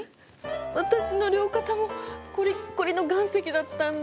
私の両肩もこりっこりの岩石だったんだ！